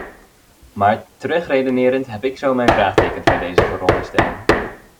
Maar terug redenerend heb ik zo mijn vraagtekens bij deze vooronderstelling.